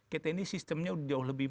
kita ini sistemnya jauh lebih